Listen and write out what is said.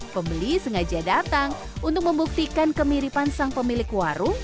pembeli sengaja datang untuk membuktikan kemiripan sang pemilik warung